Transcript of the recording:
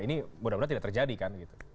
ini mudah mudahan tidak terjadi kan gitu